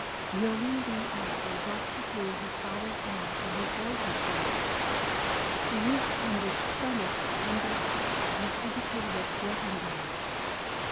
Wil liam B. Astor thus became his father's heir from his boyhood days. The youth on which so much depended, was educated at Gottingen.